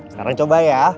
sekarang coba ya